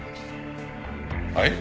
はい？